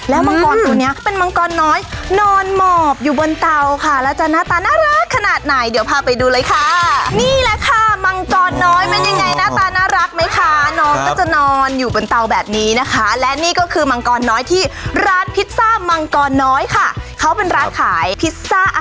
อาจารย์นัทธพงศ์